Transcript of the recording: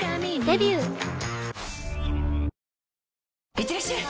いってらっしゃい！